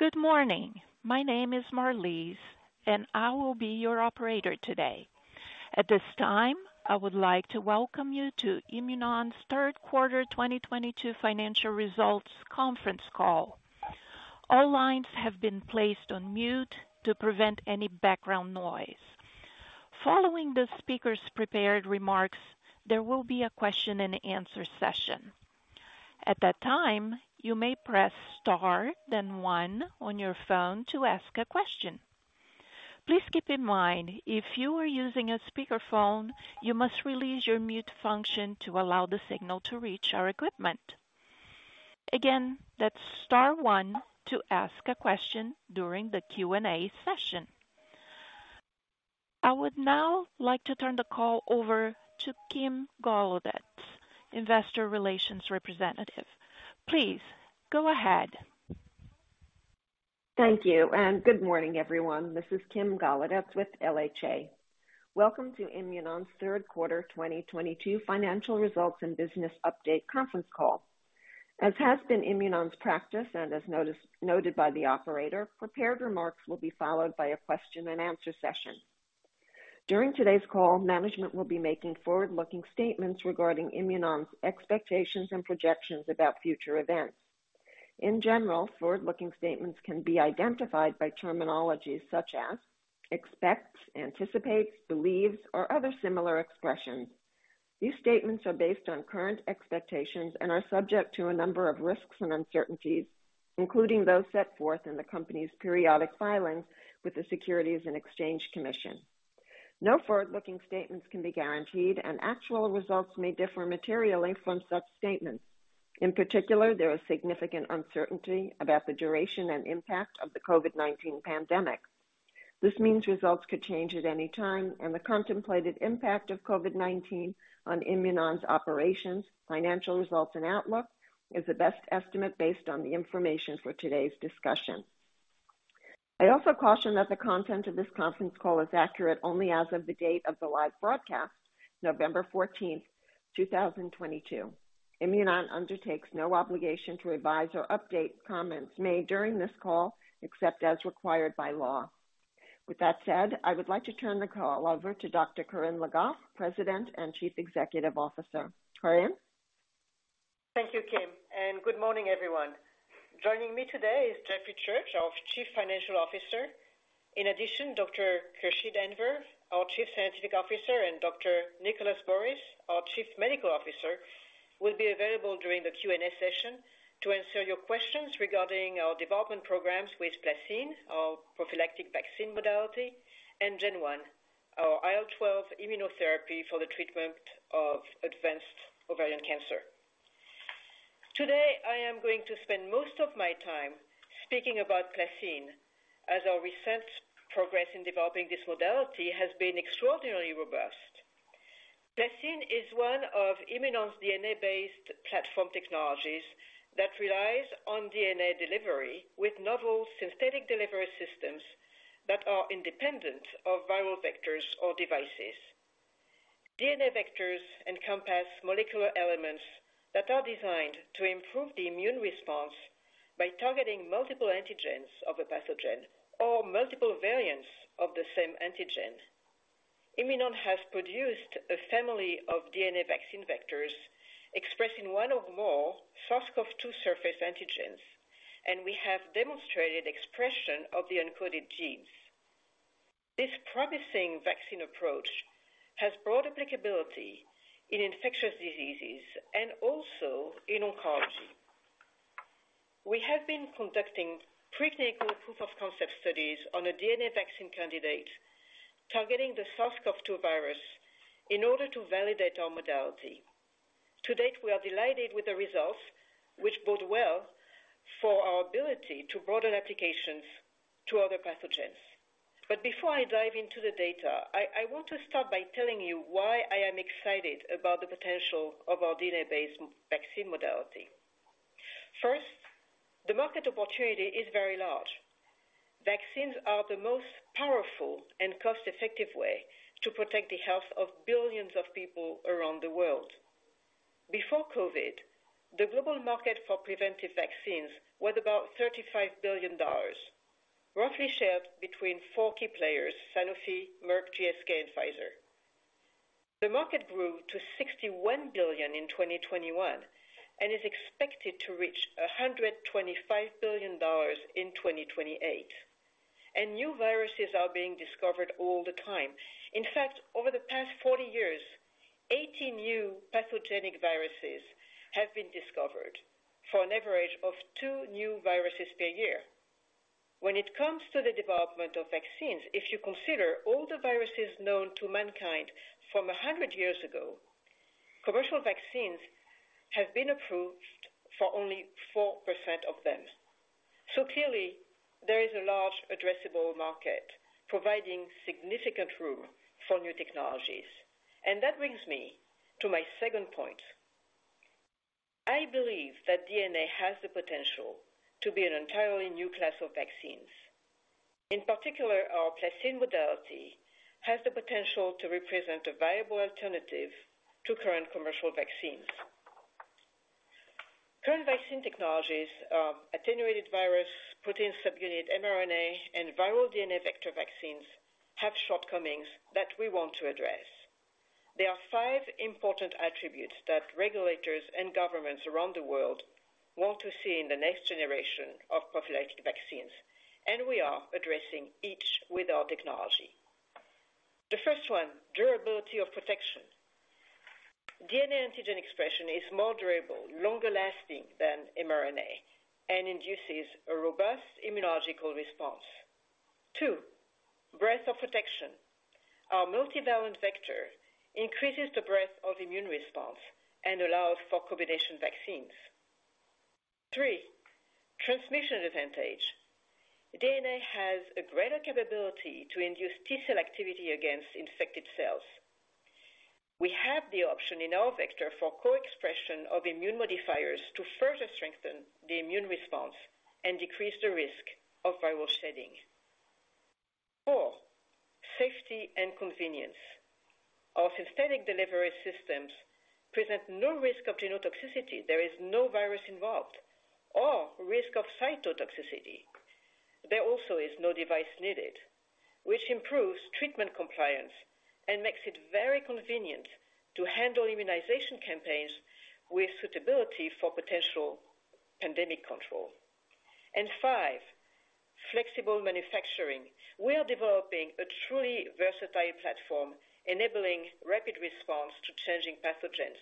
Good morning. My name is Marlise, and I will be your operator today. At this time, I would like to welcome you to Imunon's third quarter 2022 financial results conference call. All lines have been placed on mute to prevent any background noise. Following the speaker's prepared remarks, there will be a question-and-answer session. At that time, you may press star then one on your phone to ask a question. Please keep in mind, if you are using a speakerphone, you must release your mute function to allow the signal to reach our equipment. Again, that's star one to ask a question during the Q&A session. I would now like to turn the call over to Kim Golodetz, Investor Relations representative. Please go ahead. Thank you and good morning, everyone. This is Kim Golodetz with LHA. Welcome to Imunon's third quarter 2022 financial results and business update conference call. As has been Imunon's practice, and as noted by the operator, prepared remarks will be followed by a question and answer session. During today's call, management will be making forward-looking statements regarding Imunon's expectations and projections about future events. In general, forward-looking statements can be identified by terminology such as expects, anticipates, believes, or other similar expressions. These statements are based on current expectations and are subject to a number of risks and uncertainties, including those set forth in the company's periodic filings with the Securities and Exchange Commission. No forward-looking statements can be guaranteed, and actual results may differ materially from such statements. In particular, there is significant uncertainty about the duration and impact of the COVID-19 pandemic. This means results could change at any time, and the contemplated impact of COVID-19 on Imunon's operations, financial results, and outlook is the best estimate based on the information for today's discussion. I also caution that the content of this conference call is accurate only as of the date of the live broadcast, November 14th, 2022. Imunon undertakes no obligation to revise or update comments made during this call, except as required by law. With that said, I would like to turn the call over to Dr. Corinne Le Goff, President and Chief Executive Officer. Corinne? Thank you, Kim, and good morning, everyone. Joining me today is Jeffrey Church, our Chief Financial Officer. In addition, Dr. Khursheed Anwer, our Chief Scientific Officer, and Dr. Nicholas Borys, our Chief Medical Officer, will be available during the Q&A session to answer your questions regarding our development programs with PlaCCine, our prophylactic vaccine modality, and GEN-1, our IL-12 immunotherapy for the treatment of advanced ovarian cancer. Today, I am going to spend most of my time speaking about PlaCCine as our recent progress in developing this modality has been extraordinarily robust. PlaCCine is one of Imunon's DNA-based platform technologies that relies on DNA delivery with novel synthetic delivery systems that are independent of viral vectors or devices. DNA vectors encompass molecular elements that are designed to improve the immune response by targeting multiple antigens of a pathogen or multiple variants of the same antigen. Imunon has produced a family of DNA vaccine vectors expressing one or more SARS-CoV-2 surface antigens, and we have demonstrated expression of the encoded genes. This promising vaccine approach has broad applicability in infectious diseases and also in oncology. We have been conducting preclinical proof of concept studies on a DNA vaccine candidate targeting the SARS-CoV-2 virus in order to validate our modality. To date, we are delighted with the results, which bode well for our ability to broaden applications to other pathogens. Before I dive into the data, I want to start by telling you why I am excited about the potential of our DNA-based vaccine modality. First, the market opportunity is very large. Vaccines are the most powerful and cost-effective way to protect the health of billions of people around the world. Before COVID, the global market for preventive vaccines was about $35 billion, roughly shared between four key players Sanofi, Merck, GSK, and Pfizer. The market grew to $61 billion in 2021 and is expected to reach $125 billion in 2028. New viruses are being discovered all the time. In fact, over the past 40 years, 80 new pathogenic viruses have been discovered, for an average of two new viruses per year. When it comes to the development of vaccines, if you consider all the viruses known to mankind from 100 years ago, commercial vaccines have been approved for only 4% of them. Clearly there is a large addressable market providing significant room for new technologies. That brings me to my second point. I believe that DNA has the potential to be an entirely new class of vaccines. In particular, our PlaCCine modality has the potential to represent a viable alternative to current commercial vaccines. Current vaccine technologies, attenuated virus, protein subunit, mRNA, and viral DNA vector vaccines, have shortcomings that we want to address. There are five important attributes that regulators and governments around the world want to see in the next generation of prophylactic vaccines, and we are addressing each with our technology. The first one, durability of protection. DNA antigen expression is more durable, longer-lasting than mRNA, and induces a robust immunological response. Two, breadth of protection. Our multivalent vector increases the breadth of immune response and allows for combination vaccines. Three, transmission advantage. DNA has a greater capability to induce T-cell activity against infected cells. We have the option in our vector for co-expression of immune modifiers to further strengthen the immune response and decrease the risk of viral shedding. Four, safety and convenience. Our synthetic delivery systems present no risk of genotoxicity. There is no virus involved or risk of cytotoxicity. There also is no device needed, which improves treatment compliance and makes it very convenient to handle immunization campaigns with suitability for potential pandemic control. Five, flexible manufacturing. We are developing a truly versatile platform enabling rapid response to changing pathogens.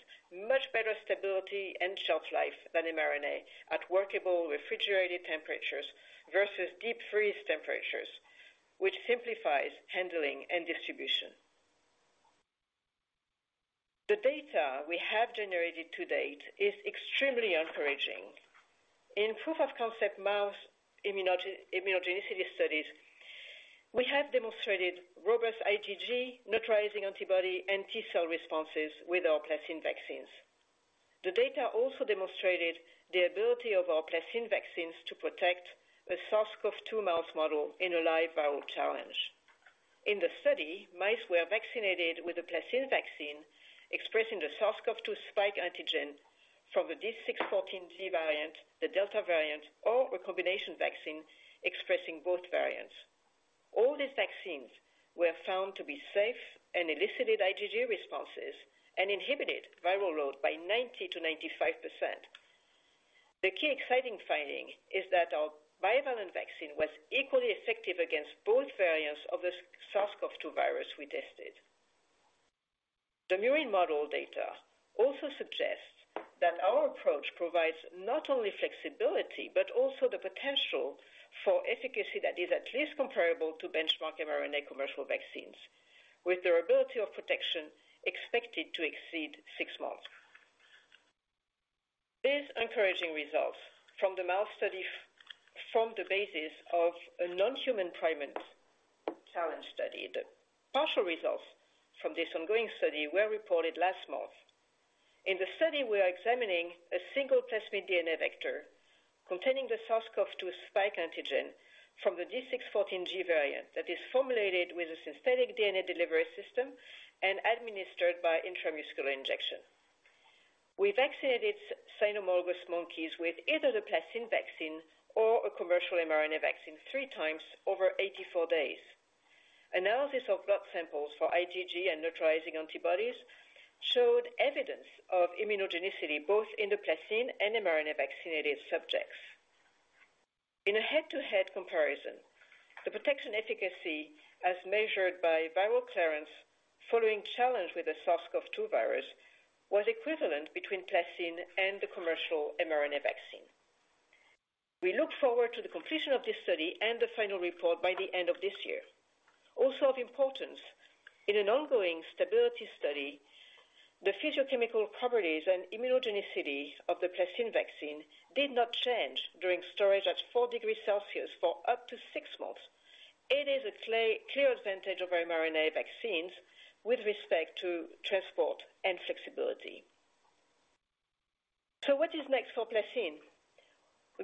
Much better stability and shelf life than mRNA at workable refrigerated temperatures versus deep freeze temperatures, which simplifies handling and distribution. The data we have generated to date is extremely encouraging. In proof of concept mouse immunogen-immunogenicity studies, we have demonstrated robust IgG, neutralizing antibody, and T-cell responses with our PlaCCine vaccines. The data also demonstrated the ability of our PlaCCine vaccines to protect a SARS-CoV-2 mouse model in a live viral challenge. In the study, mice were vaccinated with a PlaCCine vaccine expressing the SARS-CoV-2 spike antigen from the D614G variant, the Delta variant, or a combination vaccine expressing both variants. All these vaccines were found to be safe and elicited IgG responses and inhibited viral load by 90%-95%. The key exciting finding is that our bivalent vaccine was equally effective against both variants of the SARS-CoV-2 virus we tested. The murine model data also suggests that our approach provides not only flexibility, but also the potential for efficacy that is at least comparable to benchmark mRNA commercial vaccines, with durability of protection expected to exceed six months. These encouraging results from the mouse study form the basis of a non-human primate challenge study. The partial results from this ongoing study were reported last month. In the study, we are examining a single plasmid DNA vector containing the SARS-CoV-2 spike antigen from the D614G variant that is formulated with a synthetic DNA delivery system and administered by intramuscular injection. We vaccinated cynomolgus monkeys with either the PlaCCine vaccine or a commercial mRNA vaccine 3x over 84 days. Analysis of blood samples for IgG and neutralizing antibodies showed evidence of immunogenicity both in the PlaCCine and mRNA vaccinated subjects. In a head-to-head comparison, the protection efficacy, as measured by viral clearance following challenge with the SARS-CoV-2 virus, was equivalent between PlaCCine and the commercial mRNA vaccine. We look forward to the completion of this study and the final report by the end of this year. Also of importance, in an ongoing stability study, the physiochemical properties and immunogenicity of the PlaCCine vaccine did not change during storage at 4 degrees Celsius for up to six months. It is a clear advantage over mRNA vaccines with respect to transport and flexibility. What is next for PlaCCine?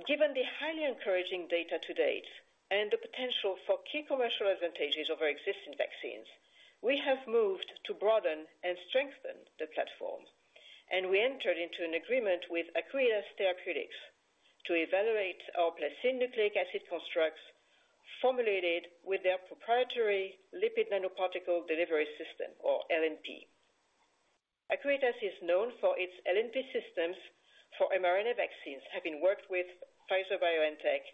Given the highly encouraging data to date and the potential for key commercial advantages over existing vaccines, we have moved to broaden and strengthen the platform. We entered into an agreement with Acuitas Therapeutics to evaluate our PlaCCine nucleic acid constructs formulated with their proprietary lipid nanoparticle delivery system, or LNP. Acuitas is known for its LNP systems for mRNA vaccines, having worked with Pfizer-BioNTech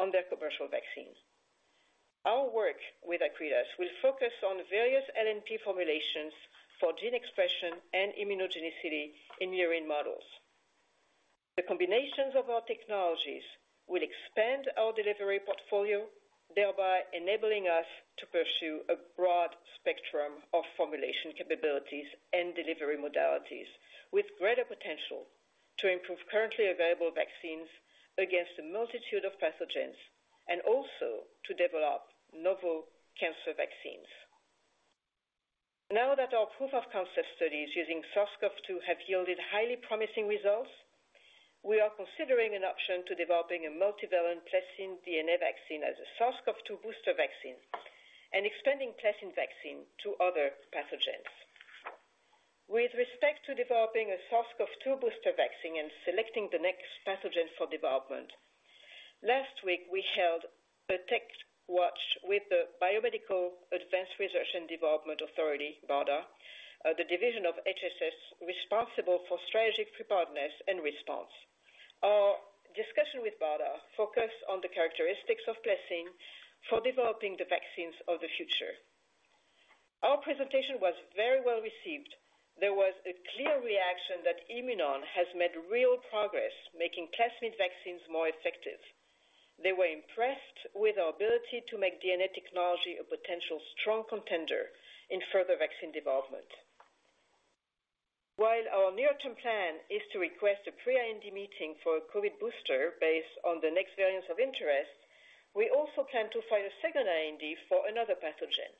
on their commercial vaccines. Our work with Acuitas will focus on various LNP formulations for gene expression and immunogenicity in murine models. The combinations of our technologies will expand our delivery portfolio, thereby enabling us to pursue a broad spectrum of formulation capabilities and delivery modalities with greater potential to improve currently available vaccines against a multitude of pathogens, and also to develop novel cancer vaccines. Now that our proof of concept studies using SARS-CoV-2 have yielded highly promising results, we are considering an option to developing a multivalent PlaCCine DNA vaccine as a SARS-CoV-2 booster vaccine and extending PlaCCine vaccine to other pathogens. With respect to developing a SARS-CoV-2 booster vaccine and selecting the next pathogen for development, last week we held a tech watch with the Biomedical Advanced Research and Development Authority, BARDA, the division of HHS responsible for strategic preparedness and response. Our discussion with BARDA focused on the characteristics of PlaCCine for developing the vaccines of the future. Our presentation was very well received. There was a clear reaction that Imunon has made real progress making plasmid vaccines more effective. They were impressed with our ability to make DNA technology a potential strong contender in further vaccine development. While our near-term plan is to request a pre-IND meeting for a Covid booster based on the next variants of interest, we also plan to file a second IND for another pathogen.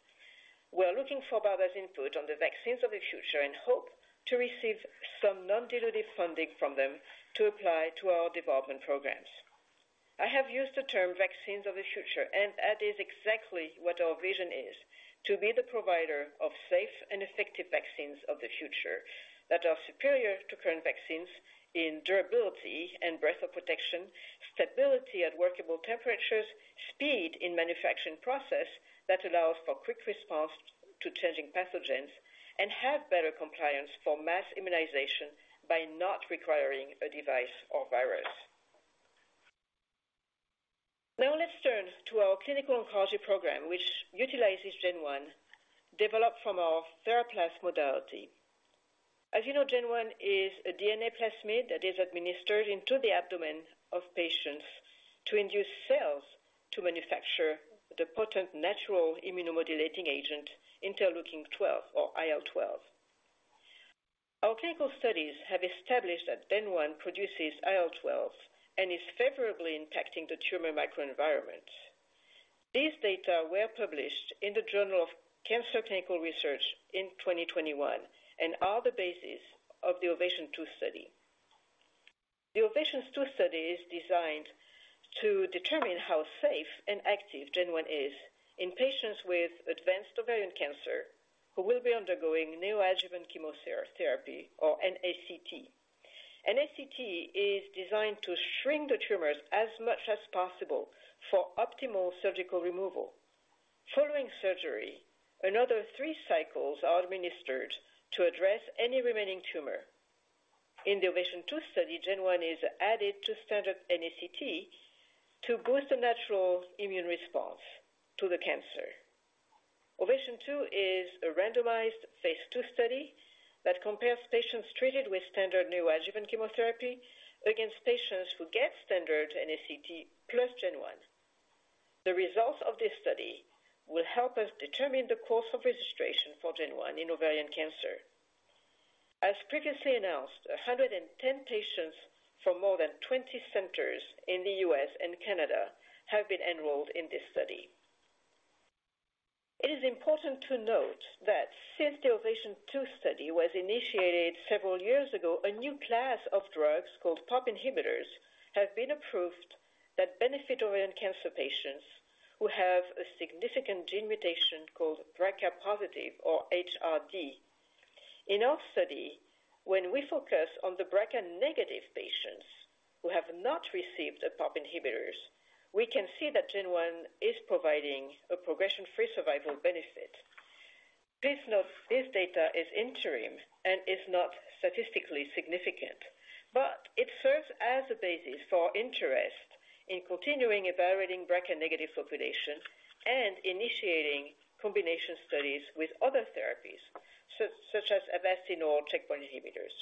We are looking for BARDA's input on the vaccines of the future and hope to receive some non-dilutive funding from them to apply to our development programs. I have used the term vaccines of the future, and that is exactly what our vision is to be the provider of safe and effective vaccines of the future that are superior to current vaccines in durability and breadth of protection, stability at workable temperatures, speed in manufacturing process that allows for quick response to changing pathogens, and have better compliance for mass immunization by not requiring a device or virus. Now let's turn to our clinical oncology program, which utilizes GEN-1, developed from our TheraPlas modality. As you know, GEN-1 is a DNA plasmid that is administered into the abdomen of patients to induce cells to manufacture the potent natural immunomodulating agent, interleukin-12 or IL-12. Our clinical studies have established that GEN-1 produces IL-12 and is favorably impacting the tumor microenvironment. These data were published in Cancer Clinical Research in 2021 and are the basis of the OVATION 2 study. The OVATION 2 study is designed to determine how safe and active GEN-1 is in patients with advanced ovarian cancer who will be undergoing neoadjuvant chemotherapy or NACT. NACT is designed to shrink the tumors as much as possible for optimal surgical removal. Following surgery, another three cycles are administered to address any remaining tumor. In the OVATION 2 study, GEN-1 is added to standard NACT to boost the natural immune response to the cancer. OVATION 2 is a randomized Phase 2 study that compares patients treated with standard neoadjuvant chemotherapy against patients who get standard NACT plus GEN-1. The results of this study will help us determine the course of registration for GEN-1 in ovarian cancer. As previously announced, 110 patients from more than 20 centers in the U.S. and Canada have been enrolled in this study. It is important to note that since the OVATION 2 study was initiated several years ago, a new class of drugs called PARP inhibitors have been approved that benefit ovarian cancer patients who have a significant gene mutation called BRCA-positive or HRD. In our study, when we focus on the BRCA-negative patients who have not received the PARP inhibitors, we can see that GEN-1 is providing a progression-free survival benefit. Please note this data is interim and is not statistically significant, but it serves as a basis for interest in continuing evaluating BRCA-negative population and initiating combination studies with other therapies such as Avastin or checkpoint inhibitors.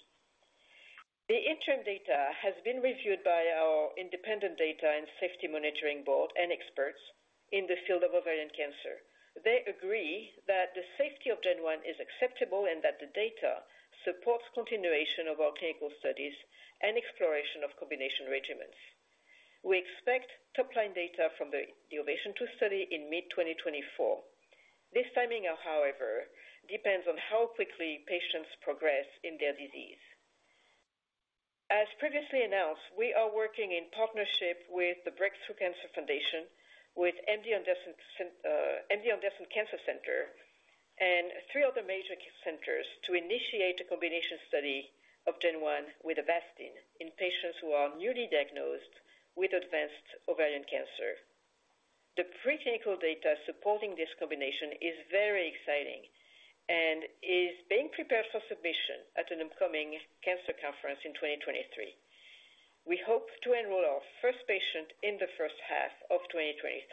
The interim data has been reviewed by our independent data and safety monitoring board and experts in the field of ovarian cancer. They agree that the safety of GEN-1 is acceptable and that the data supports continuation of our clinical studies and exploration of combination regimens. We expect top line data from the OVATION 2 study in mid-2024. This timing, however, depends on how quickly patients progress in their disease. As previously announced, we are working in partnership with Break Through Cancer foundation, with MD Anderson Cancer Center, and three other major centers to initiate a combination study of GEN-1 with Avastin in patients who are newly diagnosed with advanced ovarian cancer. The preclinical data supporting this combination is very exciting and is being prepared for submission at an upcoming cancer conference in 2023. We hope to enroll our first patient in the first half of 2023.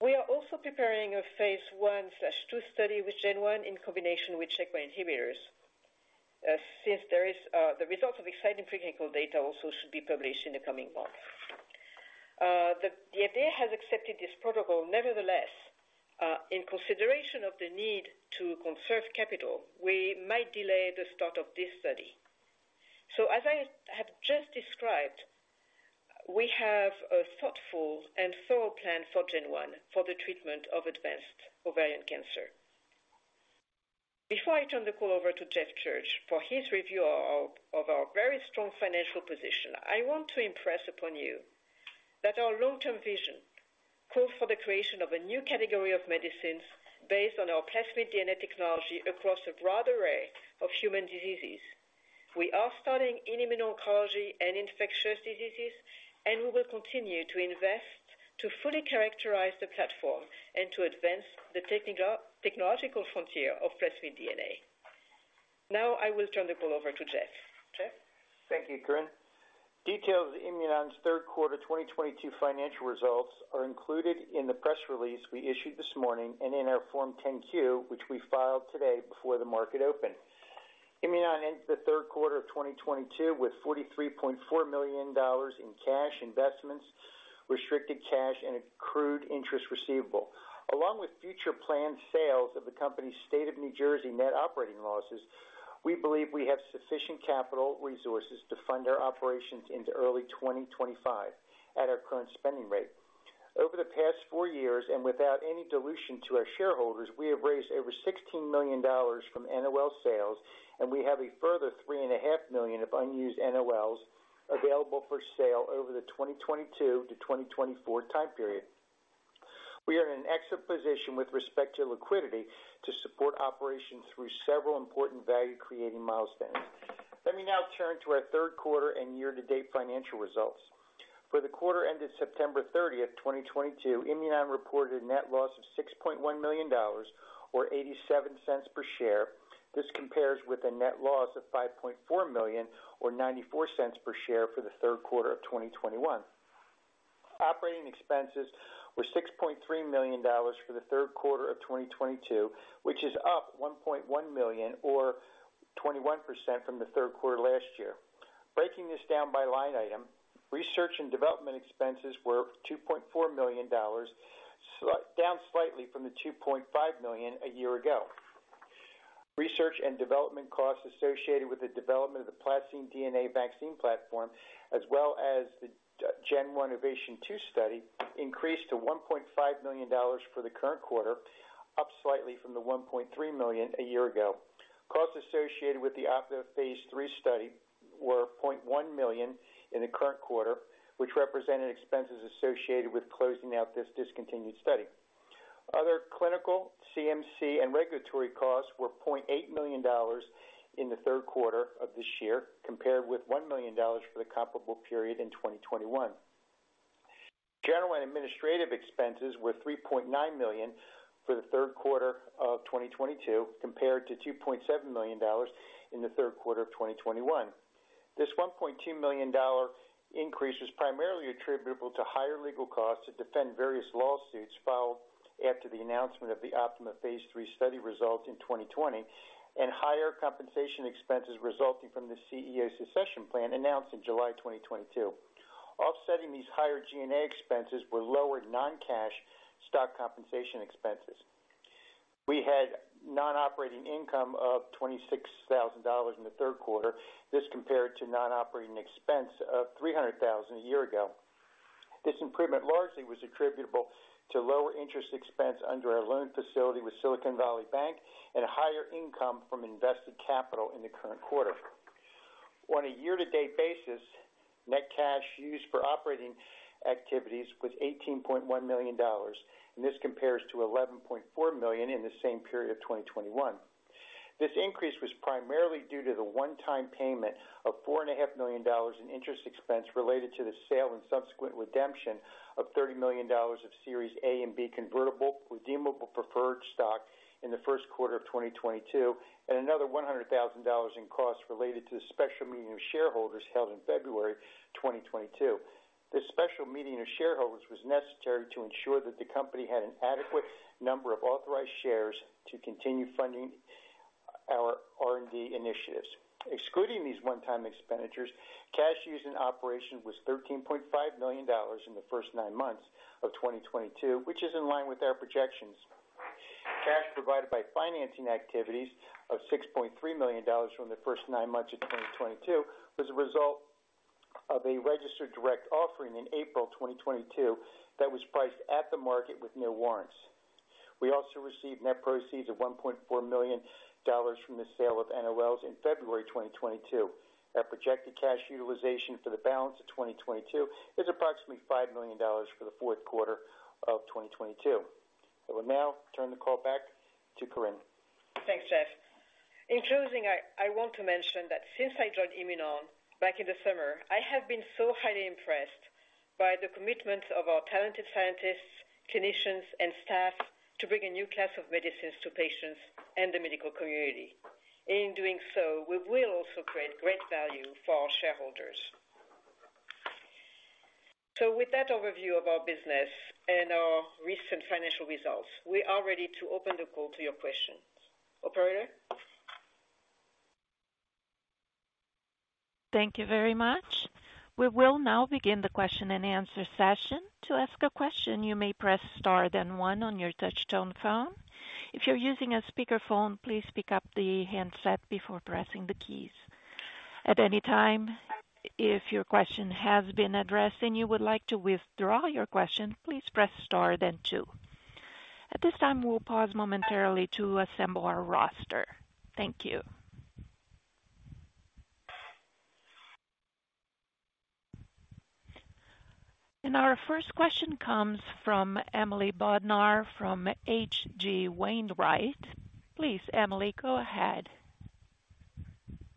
We are also preparing a phase 1/2 study with GEN-1 in combination with checkpoint inhibitors. Since there is the results of exciting preclinical data also should be published in the coming months. The FDA has accepted this protocol. Nevertheless, in consideration of the need to conserve capital, we might delay the start of this study. As I have just described, we have a thoughtful and thorough plan for GEN-1 for the treatment of advanced ovarian cancer. Before I turn the call over to Jeff Church for his review of our very strong financial position, I want to impress upon you that our long-term vision calls for the creation of a new category of medicines based on our plasmid DNA technology across a broad array of human diseases. We are starting in immuno-oncology and infectious diseases, and we will continue to invest to fully characterize the platform and to advance the technological frontier of plasmid DNA. Now I will turn the call over to Jeff. Jeff? Thank you, Corinne. Details of Imunon's third quarter 2022 financial results are included in the press release we issued this morning and in our Form 10-Q, which we filed today before the market opened. Imunon ended the third quarter of 2022 with $43.4 million in cash investments, restricted cash, and accrued interest receivable. Along with future planned sales of the company's Sale of New Jersey net operating losses, we believe we have sufficient capital resources to fund our operations into early 2025 at our current spending rate. Over the past four years, and without any dilution to our shareholders, we have raised over $16 million from NOL sales, and we have a further $3.5 million of unused NOLs available for sale over the 2022 to 2024 time period. We are in an excellent position with respect to liquidity to support operations through several important value-creating milestones. Let me now turn to our third quarter and year-to-date financial results. For the quarter ended September 30, 2022, Imunon reported a net loss of $6.1 million or $0.87 per share. This compares with a net loss of $5.4 million or $0.94 per share for the third quarter of 2021. Operating expenses were $6.3 million for the third quarter of 2022, which is up $1.1 million or 21% from the third quarter last year. Breaking this down by line item, research and development expenses were $2.4 million, down slightly from the $2.5 million a year ago. Research and development costs associated with the development of the PlaCCine DNA vaccine platform, as well as the GEN-1 OVATION 2 study, increased to $1.5 million for the current quarter, up slightly from the $1.3 million a year ago. Costs associated with the OPTIMA Phase 3 study were $0.1 million in the current quarter, which represented expenses associated with closing out this discontinued study. Other clinical CMC and regulatory costs were $0.8 million in the third quarter of this year, compared with $1 million for the comparable period in 2021. General and administrative expenses were $3.9 million for the third quarter of 2022, compared to $2.7 million in the third quarter of 2021. This $1.2 million increase is primarily attributable to higher legal costs to defend various lawsuits filed after the announcement of the OPTIMA Phase 3 study results in 2020 and higher compensation expenses resulting from the CEO succession plan announced in July 2022. Offsetting these higher G&A expenses were lowered non-cash stock compensation expenses. We had non-operating income of $26,000 in the third quarter. This compared to non-operating expense of $300,000 a year ago. This improvement largely was attributable to lower interest expense under our loan facility with Silicon Valley Bank and higher income from invested capital in the current quarter. On a year-to-date basis, net cash used for operating activities was $18.1 million, and this compares to $11.4 million in the same period of 2021. This increase was primarily due to the one-time payment of $4.5 million in interest expense related to the sale and subsequent redemption of $30 million of Series A & B convertible redeemable preferred stock in the first quarter of 2022, and another $100,000 in costs related to the special meeting of shareholders held in February 2022. This special meeting of shareholders was necessary to ensure that the company had an adequate number of authorized shares to continue funding our R&D initiatives. Excluding these one-time expenditures, cash used in operations was $13.5 million in the first nine months of 2022, which is in line with our projections. Cash provided by financing activities of $6.3 million from the first nine months of 2022 was a result of a registered direct offering in April 2022 that was priced at the market with no warrants. We also received net proceeds of $1.4 million from the sale of NOLs in February 2022. Our projected cash utilization for the balance of 2022 is approximately $5 million for the fourth quarter of 2022. I will now turn the call back to Corinne. Thanks, Jeff. In closing, I want to mention that since I joined Imunon back in the summer, I have been so highly impressed by the commitment of our talented scientists, clinicians, and staff to bring a new class of medicines to patients and the medical community. In doing so, we will also create great value for our shareholders. With that overview of our business and our recent financial results, we are ready to open the call to your questions. Operator? Thank you very much. We will now begin the question-and-answer session. To ask a question, you may press star then one on your touchtone phone. If you're using a speakerphone, please pick up the handset before pressing the keys. At any time, if your question has been addressed and you would like to withdraw your question, please press star then two. At this time, we'll pause momentarily to assemble our roster. Thank you. Our first question comes from Emily Bodnar from H.C. Wainwright. Please, Emily, go ahead.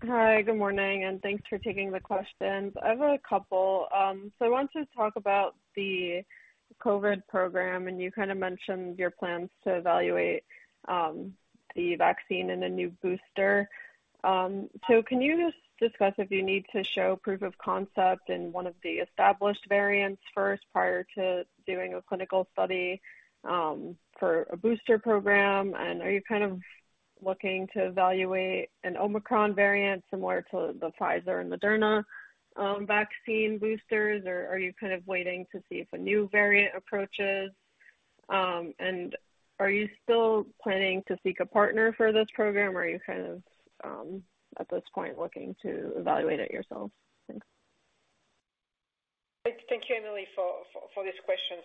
Hi, good morning, and thanks for taking the questions. I have a couple. I want to talk about the COVID program, and you kind of mentioned your plans to evaluate the vaccine and a new booster. Can you just discuss if you need to show proof of concept in one of the established variants first prior to doing a clinical study for a booster program? Are you kind of looking to evaluate an Omicron variant similar to the Pfizer and Moderna vaccine boosters, or are you kind of waiting to see if a new variant approaches? Are you still planning to seek a partner for this program or are you kind of at this point looking to evaluate it yourself? Thanks. Thank you, Emily, for these questions.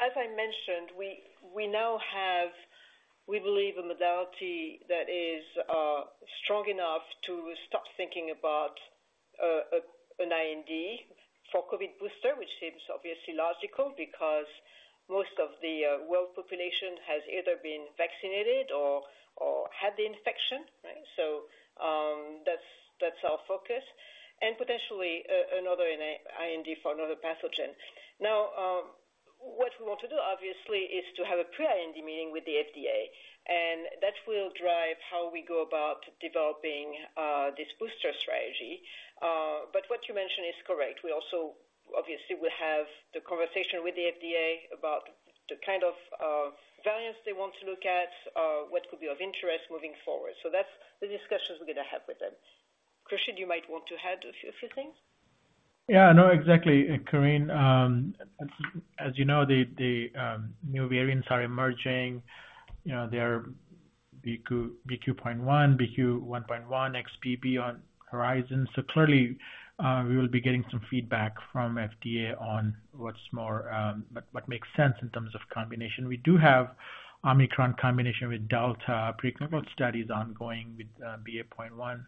As I mentioned, we now have, we believe, a modality that is strong enough to stop thinking about an IND for COVID booster, which seems obviously logical because most of the world population has either been vaccinated or had the infection, right? That's our focus. Potentially another IND for another pathogen. Now, what we want to do, obviously, is to have a pre-IND meeting with the FDA, and that will drive how we go about developing this booster strategy. What you mentioned is correct. We also obviously will have the conversation with the FDA about the kind of variants they want to look at, what could be of interest moving forward. That's the discussions we're gonna have with them. Khursheed, you might want to add a few things. Yeah, no, exactly, Corinne. As you know, the new variants are emerging. You know, there are BQ.1, BQ.1.1, XBB on horizon. Clearly, we will be getting some feedback from FDA on what makes sense in terms of combination. We do have Omicron combination with Delta preclinical studies ongoing with BA.1.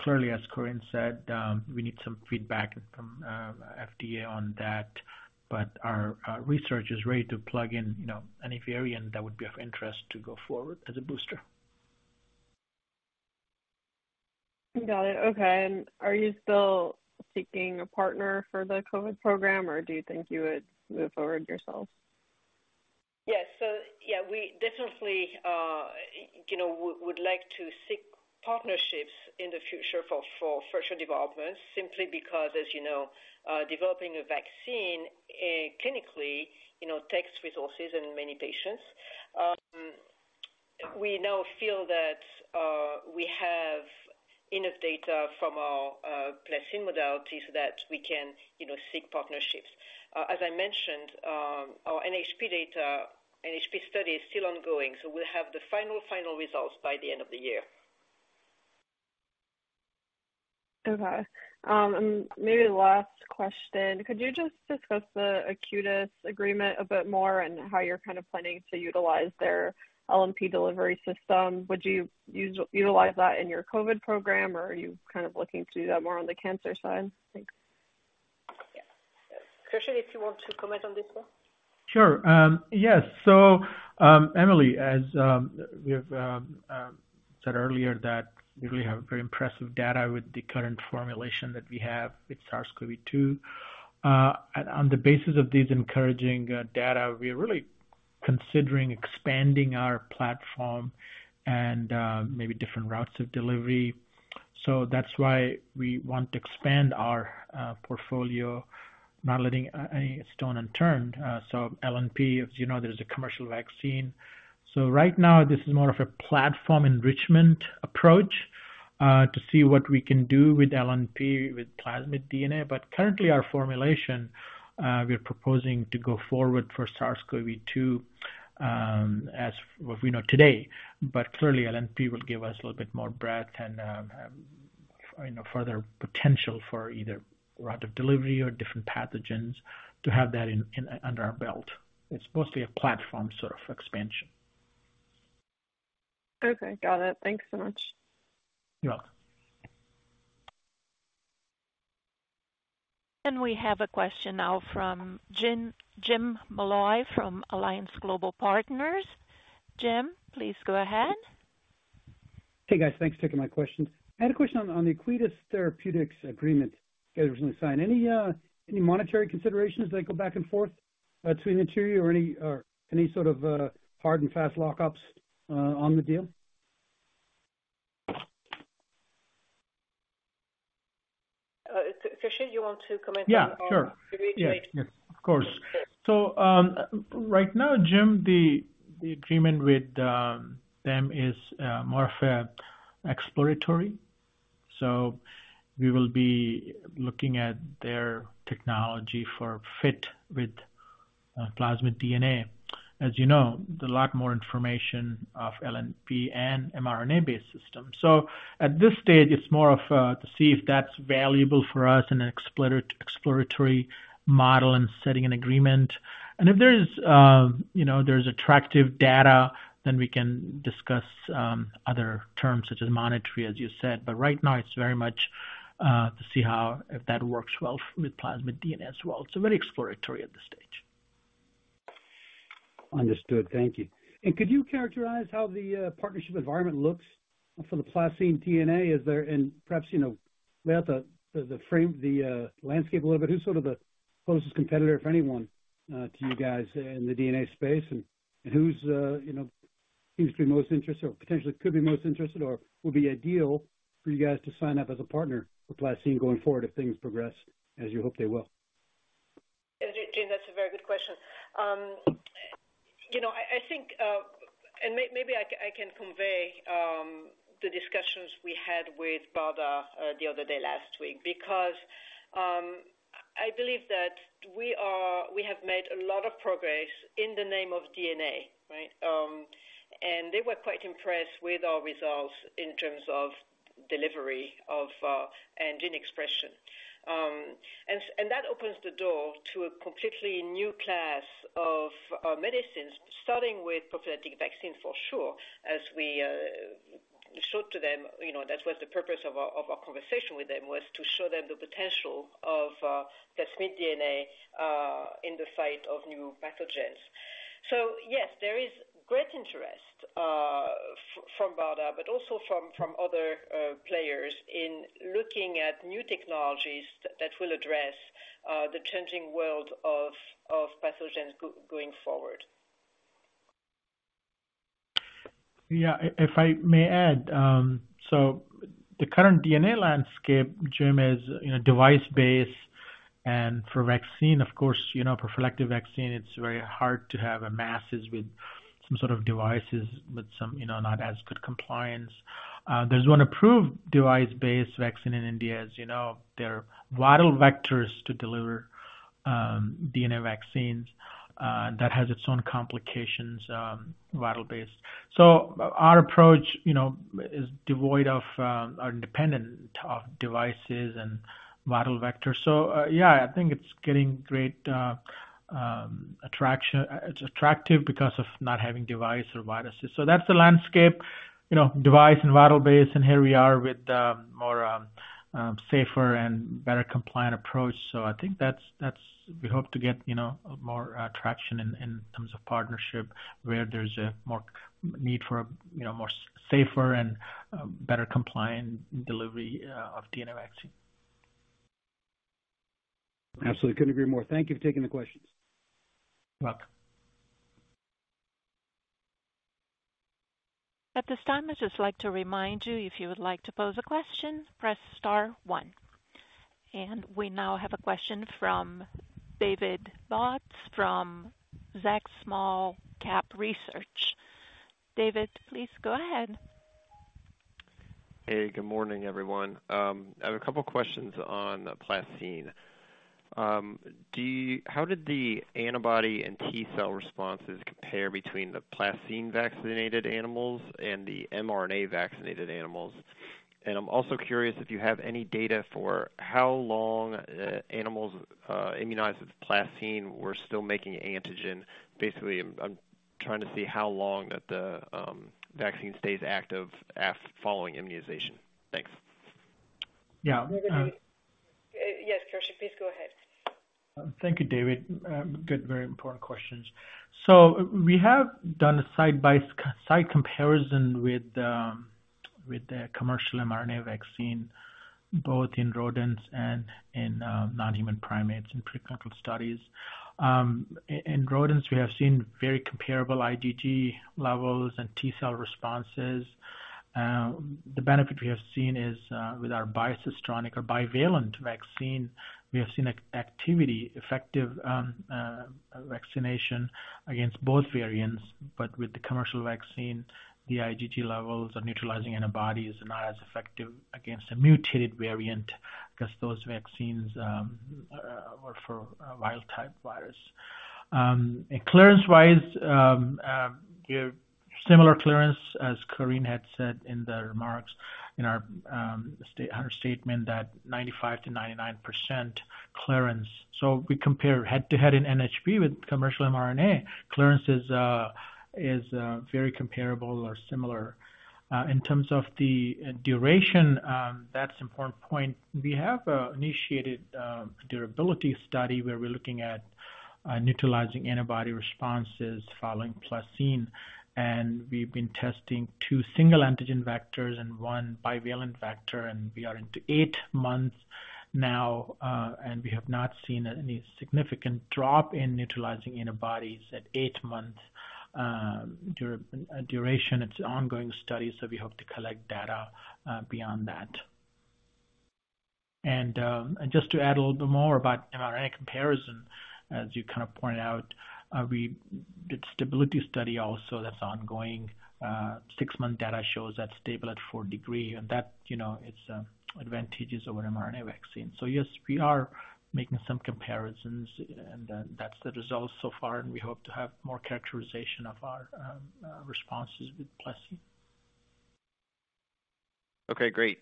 Clearly, as Corinne said, we need some feedback from FDA on that. Our research is ready to plug in, you know, any variant that would be of interest to go forward as a booster. Got it. Okay. Are you still seeking a partner for the COVID program, or do you think you would move forward yourself? Yes. Yeah, we definitely, you know, would like to seek partnerships in the future for further development, simply because, as you know, developing a vaccine clinically, you know, takes resources and many patients. We now feel that we have enough data from our PlaCCine modalities that we can, you know, seek partnerships. As I mentioned, our NHP data, NHP study is still ongoing, so we'll have the final results by the end of the year. Okay. Maybe last question. Could you just discuss the Acuitas agreement a bit more and how you're kind of planning to utilize their LNP delivery system? Would you utilize that in your COVID program, or are you kind of looking to do that more on the cancer side? Thanks. Yeah. Khursheed, if you want to comment on this one. Sure. Emily, as we've said earlier that we really have very impressive data with the current formulation that we have with SARS-CoV-2. On the basis of these encouraging data, we are really considering expanding our platform and maybe different routes of delivery. That's why we want to expand our portfolio, not letting any stone unturned. LNP, as you know, there's a commercial vaccine. Right now, this is more of a platform enrichment approach to see what we can do with LNP with plasmid DNA. Currently, our formulation, we're proposing to go forward for SARS-CoV-2 as what we know today. Clearly, LNP will give us a little bit more breadth and, you know, further potential for either route of delivery or different pathogens to have that in under our belt. It's mostly a platform sort of expansion. Okay. Got it. Thanks so much. You're welcome. We have a question now from Jim, Jim Molloy from Alliance Global Partners. Jim, please go ahead. Hey, guys. Thanks for taking my questions. I had a question on the Acuitas Therapeutics agreement you guys recently signed. Any monetary considerations that go back and forth between the two or any sort of hard and fast lockups on the deal? Khursheed, you want to comment on Yeah, sure. The agreement? Yes. Yes. Of course. Sure. Right now, Jim, the agreement with them is more of a exploratory. We will be looking at their technology for fit with plasmid DNA. As you know, there's a lot more information on LNP and mRNA-based system. At this stage, it's more of to see if that's valuable for us in an exploratory model and setting an agreement. If there is, you know, there's attractive data, then we can discuss other terms such as monetary, as you said. Right now it's very much to see how if that works well with plasmid DNA as well. It's very exploratory at this stage. Understood. Thank you. Could you characterize how the partnership environment looks for the PlaCCine DNA? Perhaps, you know, lay out the landscape a little bit. Who's sort of the closest competitor, if anyone, to you guys in the DNA space? Who's, you know, seems to be most interested or potentially could be most interested or would be ideal for you guys to sign up as a partner for PlaCCine going forward if things progress as you hope they will? Jim, that's a very good question. You know, I think, and maybe I can convey the discussions we had with BARDA the other day last week, because I believe that we have made a lot of progress in the name of DNA, right? They were quite impressed with our results in terms of delivery and gene expression. That opens the door to a completely new class of medicines, starting with prophylactic vaccine for sure, as we showed to them. You know, that was the purpose of our conversation with them, was to show them the potential of plasmid DNA in the fight against new pathogens. Yes, there is great interest from BARDA, but also from other players in looking at new technologies that will address the changing world of pathogens going forward. Yeah, if I may add. The current DNA landscape, Jim, is, you know, device-based and for vaccine, of course, you know, prophylactic vaccine. It's very hard to have a masses with some sort of devices with some, you know, not as good compliance. There's one approved device-based vaccine in India, as you know. There are viral vectors to deliver DNA vaccines that has its own complications, viral-based. Our approach, you know, is devoid of are independent of devices and viral vectors. Yeah, I think it's getting great attraction. It's attractive because of not having device or viruses. That's the landscape, you know, device and viral-based, and here we are with more safer and better compliant approach. I think that's. We hope to get, you know, more attraction in terms of partnership where there's a more need for, you know, more safer and better compliant delivery of DNA vaccine. Absolutely. Couldn't agree more. Thank you for taking the questions. You're welcome. At this time, I'd just like to remind you, if you would like to pose a question, press star one. We now have a question from David Bautz from Zacks Small-Cap Research. David, please go ahead. Hey, good morning, everyone. I have a couple questions on the PlaCCine. How did the antibody and T-cell responses compare between the PlaCCine vaccinated animals and the mRNA vaccinated animals? I'm also curious if you have any data for how long animals immunized with PlaCCine were still making antigen. Basically, I'm trying to see how long that the vaccine stays active following immunization. Thanks. Yes, Khursheed Anwer, please go ahead. Thank you, David. Good, very important questions. We have done a side-by-side comparison with the commercial mRNA vaccine, both in rodents and in non-human primates in preclinical studies. In rodents we have seen very comparable IgG levels and T-cell responses. The benefit we have seen is with our bicistronic or bivalent vaccine, we have seen activity effective vaccination against both variants, but with the commercial vaccine, the IgG levels of neutralizing antibodies are not as effective against a mutated variant 'cause those vaccines are for a wild type virus. Clearance-wise, give similar clearance as Corinne had said in the remarks earlier in her statement that 95%-99% clearance. We compare head-to-head in NHP with commercial mRNA. Clearance is very comparable or similar. In terms of the duration, that's important point. We have initiated durability study where we're looking at neutralizing antibody responses following PlaCCine, and we've been testing two single antigen vectors and one bivalent vector, and we are into eight months now, and we have not seen any significant drop in neutralizing antibodies at eight months. It's ongoing study, so we hope to collect data beyond that. Just to add a little bit more about mRNA comparison, as you kind of pointed out, we did stability study also that's ongoing. Six-month data shows that's stable at four degree and that, you know, it's advantages over mRNA vaccine. Yes, we are making some comparisons and, that's the results so far, and we hope to have more characterization of our responses with PlaCCine. Okay, great.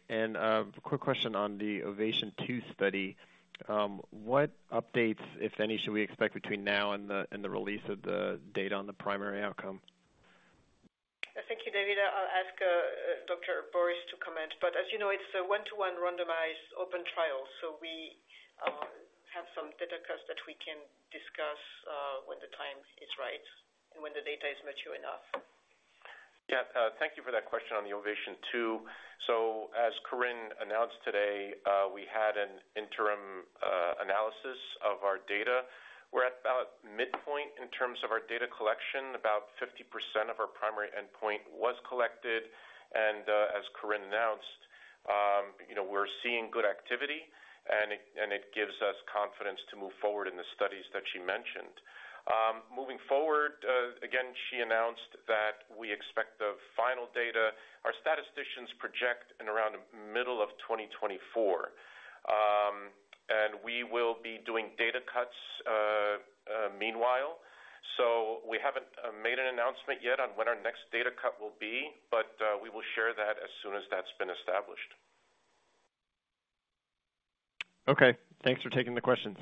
Quick question on the OVATION 2 study. What updates, if any, should we expect between now and the release of the data on the primary outcome? Thank you, David. I'll ask Nicholas Borys to comment, but as you know, it's a one-to-one randomized open trial. We have some data cuts that we can discuss when the time is right and when the data is mature enough. Yeah. Thank you for that question on the OVATION 2. As Corinne announced today, we had an interim analysis of our data. We're at about midpoint in terms of our data collection. About 50% of our primary endpoint was collected and, as Corinne announced, you know, we're seeing good activity and it gives us confidence to move forward in the studies that she mentioned. Moving forward, again, she announced that we expect the final data. Our statisticians project in around the middle of 2024. We will be doing data cuts meanwhile, so we haven't made an announcement yet on when our next data cut will be, but we will share that as soon as that's been established. Okay. Thanks for taking the questions.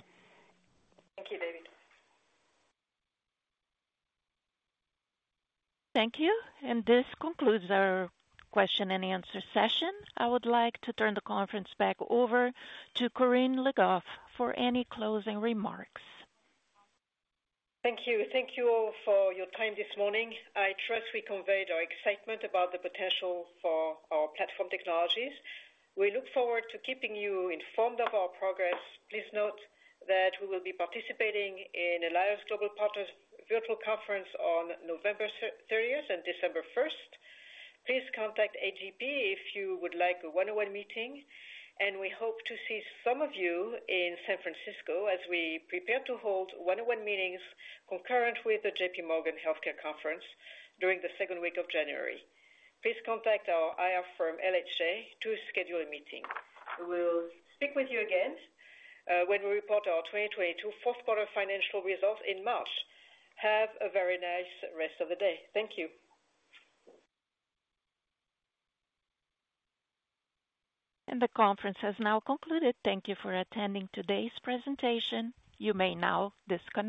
Thank you, David. Thank you. This concludes our question-and-answer session. I would like to turn the conference back over to Corinne Le Goff for any closing remarks. Thank you. Thank you all for your time this morning. I trust we conveyed our excitement about the potential for our platform technologies. We look forward to keeping you informed of our progress. Please note that we will be participating in Alliance Global Partners Virtual Conference on November 30th and December 1st. Please contact AGP if you would like a one-on-one meeting, and we hope to see some of you in San Francisco as we prepare to hold one-on-one meetings concurrent with the J.P. Morgan Healthcare Conference during the second week of January. Please contact our IR firm, LHA, to schedule a meeting. We'll speak with you again, when we report our 2022 fourth quarter financial results in March. Have a very nice rest of the day. Thank you. The conference has now concluded. Thank you for attending today's presentation. You may now disconnect.